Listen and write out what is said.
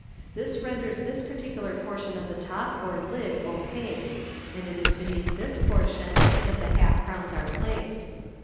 This renders this particular portion of the top or lid opaque, and it is beneath this por tion that the half crowns are placed.